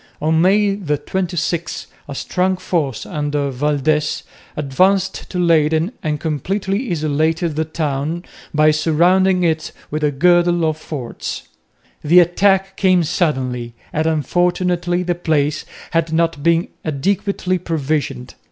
On May 26 a strong force under Valdez advanced to Leyden and completely isolated the town by surrounding it with a girdle of forts. The attack came suddenly, and unfortunately the place had not been adequately provisioned.